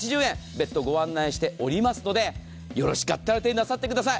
別途ご案内しておりますのでよろしかったら手になさってください。